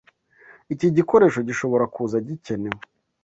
Iki gikoresho gishobora kuza gikenewe.